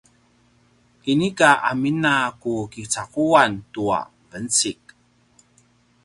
inika amin a ku kicaquan tua vencik